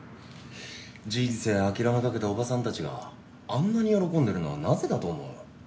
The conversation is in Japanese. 人生諦めかけたおばさんたちがあんなに喜んでるのはなぜだと思う？